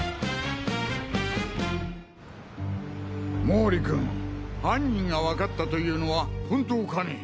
毛利君犯人がわかったというのは本当かね？